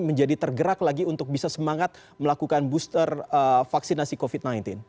menjadi tergerak lagi untuk bisa semangat melakukan booster vaksinasi covid sembilan belas